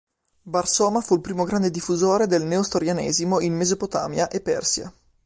Bar Soma fu il più grande diffusore del nestorianesimo in Mesopotamia e Persia.